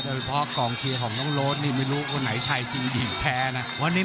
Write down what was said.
แล้วแต่ความรู้ของกองเชียร์ของน้องโรสไม่รู้ว่าไหนใช่จริงทีแรงนะ